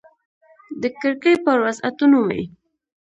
د کړکۍ پر وسعتونو مې